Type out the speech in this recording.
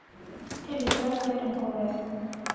It is dark red in colour.